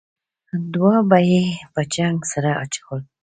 دوه به یې په جنګ سره اچول.